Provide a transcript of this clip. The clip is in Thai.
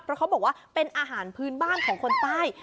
เพราะเขาบอกว่าเป็นอาหารพื้นบ้านของคนใต้